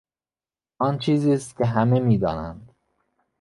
آن چیزی است که همه میدانند.